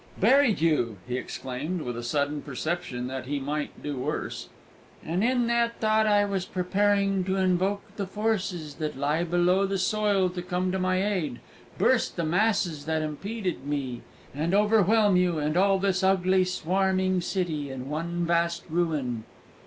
"Buried you!" he exclaimed, with a sudden perception that he might do worse. "And in that thought I was preparing to invoke the forces that lie below the soil to come to my aid, burst the masses that impeded me, and overwhelm you and all this ugly swarming city in one vast ruin!"